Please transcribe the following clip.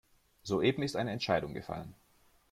Soeben ist eine Entscheidung gefallen.